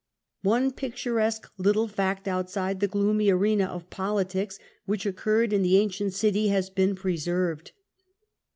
One picturesque little fact, outside the gloomy arena of politics, which oc curred in the ancient city, has been preserved.